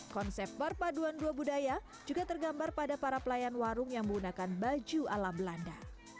konsep berpaduan dua budaya juga tergambar pada para pelayan warung yang menggunakan baju ala belanda